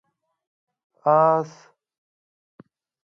🐎 آس